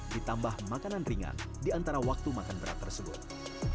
ditambah makanan ringan di antara waktu makan berat tersebut